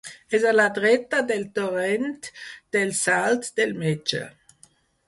És a la dreta del torrent del Salt del Metge.